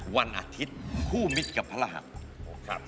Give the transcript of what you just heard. วันอาทิตย์คู่มิตรกับพระรหัส